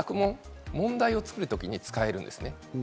作問、問題を作るときに使えるんですね。